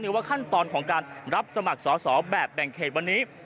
ว่าขั้นตอนของการรับสมัครสอสอแบบแบ่งเขตวันนี้